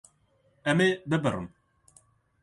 Ew ê bibirin.